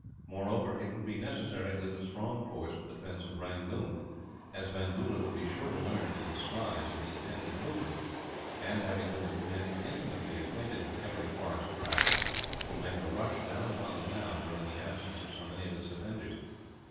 Moreover, it would be necessary to leave a strong force for the defence of Rangoon, as Bandoola would be sure to learn, from his spies, of the intended movement and, having with him men intimately acquainted with every forest track, could make a rush down upon the town during the absence of so many of its defenders.